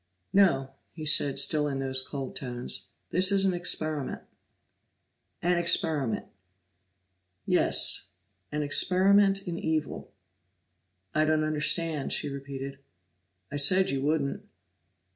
"No," he said, still in those cold tones. "This is an experiment." "An experiment!" "Yes. An experiment in evil." "I don't understand," she repeated. "I said you wouldn't."